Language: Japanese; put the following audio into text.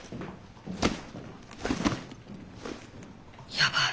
やばい。